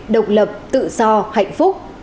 độc lập tự do hạnh phúc